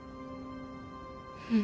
うん。